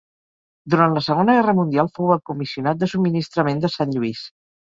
Durant la Segona Guerra Mundial fou el comissionat de subministrament de Sant Lluís.